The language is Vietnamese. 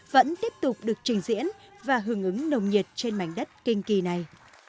vẫn tiếp tục được trình diễn và hưởng ứng nồng nhiệt trên mảnh đất kinh kỳ này